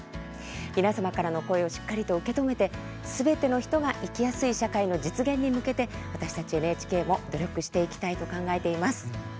皆様からの声をしっかり受け止めてすべての人が生きやすい社会の実現に向けて、私たちＮＨＫも努力していきたいと考えています。